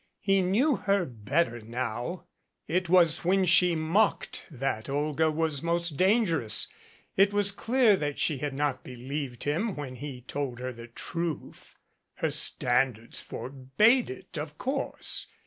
He knew her better now. It was when she mocked that Olga was most dangerous. It was clear that she had 266 THE WINGS OF THE BUTTERFLY not believed him when he told her the truth. Her stand ards forbade it, of course.